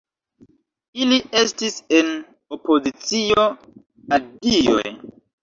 Ili estis en opozicio al dioj.